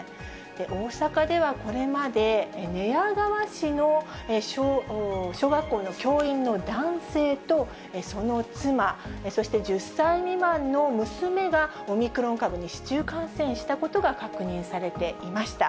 大阪ではこれまで、寝屋川市の小学校の教員の男性とその妻、そして１０歳未満の娘がオミクロン株に市中感染したことが確認されていました。